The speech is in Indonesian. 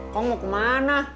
kok mau kemana